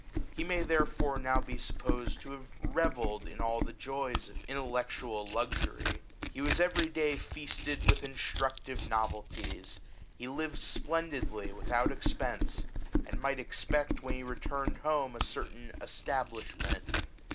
He may therefore now be supposed to have revelled in all the joys of intellectual luxury ; he was every day feasted with instructive novelties; he lived splendidly without expence; and might ex pect when he returned home a certain esta blishment.